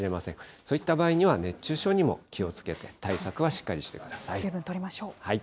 そういった場合には、熱中症にも気をつけて、対策をしっかりして水分とりましょう。